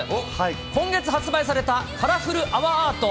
今月発売されたカラフルあわアート。